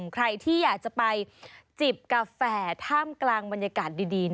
ใครที่อยากจะไปจิบกาแฟท่ามกลางบรรยากาศดี